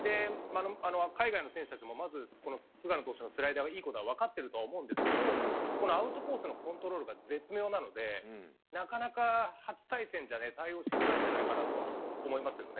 海外のたちも菅野投手のスライダーがいいことは分かってると思うんですけどアウトコースのコントロールが絶妙なのでなかなか初対戦じゃ対応しづらいんじゃないかと思います。